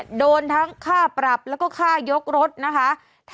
วันนี้จะเป็นวันนี้